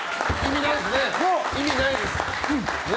意味ないですね。